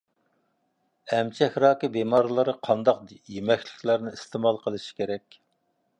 ئەمچەك راكى بىمارلىرى قانداق يېمەكلىكلەرنى ئىستېمال قىلىشى كېرەك؟